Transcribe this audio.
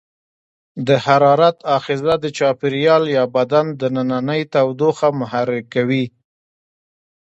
د حرارت آخذه د چاپیریال یا بدن دننۍ تودوخه محرک کوي.